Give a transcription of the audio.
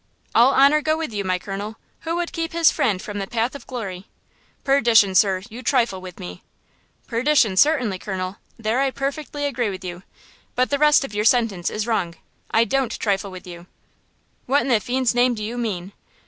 "All honor go with you, my colonel. Who would keep his friend from the path of glory?" "Perdition, sir, you trifle with me." "Perdition, certainly, colonel; there I perfectly agree with you. But the rest of your sentence is wrong; I don't trifle with you." "What in the fiend's name do you mean?"